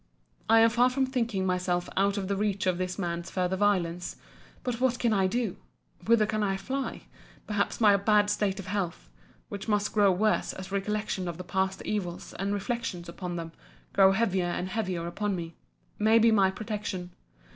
I am far from thinking myself out of the reach of this man's further violence. But what can I do? Whither can I fly?—Perhaps my bad state of health (which must grow worse, as recollection of the past evils, and reflections upon them, grow heavier and heavier upon me) may be my protection.